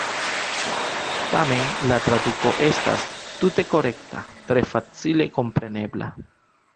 Tamen la traduko estas "tute korekta, tre facile komprenebla.